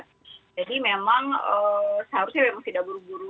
jadi memang seharusnya memang tidak buru buru